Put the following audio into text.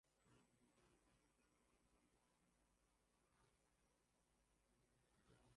mjengo wa titanic ulitoka bandari ya southampton